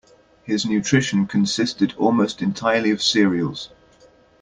His nutrition consisted almost entirely of cereals.